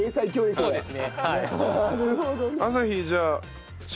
そうですね。